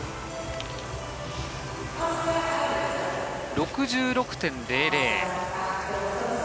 ６６．００。